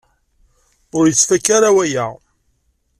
Ur yettfaka ara waya.